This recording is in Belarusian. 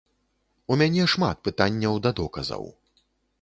У мяне шмат пытанняў да доказаў.